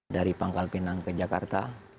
dari pangkal pinang ke jakarta